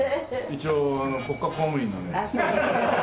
一応国家公務員なんで。